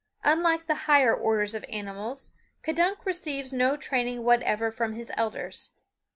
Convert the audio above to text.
Unlike the higher orders of animals, K'dunk receives no training whatever from his elders.